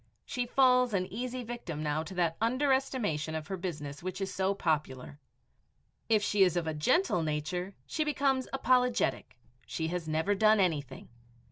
She falls an easy victim now to that underestimation of her business which is so popular. If she is of gentle nature, she becomes apologetic, she has "never done anything."